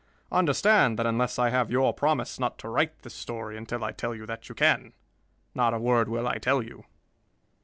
Understand that unless I have your promise not to write this story until I tell you that you can, not a word will I tell you."